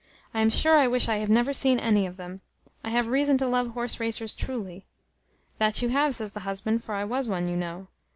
I am sure I wish I had never seen any of them. I have reason to love horse racers truly!" "That you have," says the husband; "for I was one, you know."